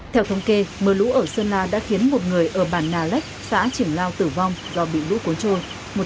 theo thống kê mưa lũ ở sơn la đã khiến một người ở bản nà lách xã triển lao tử vong do bị lũ cuốn trôi